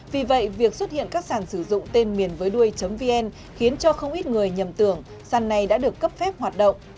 vì vậy việc xuất hiện các sản sử dụng tên miền với đuôi vn khiến cho không ít người nhầm tưởng sàn này đã được cấp phép hoạt động